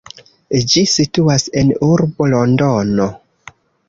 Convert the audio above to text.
Ĝi situas en urbo Londono.